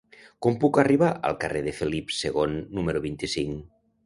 Com puc arribar al carrer de Felip II número vint-i-cinc?